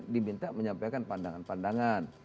diminta menyampaikan pandangan pandangan